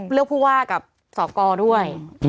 เลือกผู้ว่ากับสกด้วย